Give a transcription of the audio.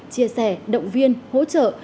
chia sẻ động viên hỗ trợ